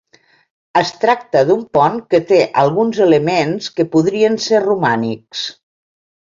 Es tracta d'un pont que té alguns elements que podrien ser romànics.